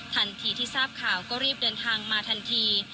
ทันทีที่ทราบข่าวก็รีบเดินทางมาทันที